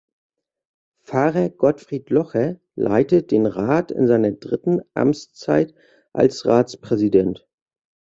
Pfarrer Gottfried Locher leitet den Rat in seiner dritten Amtszeit als Ratspräsident.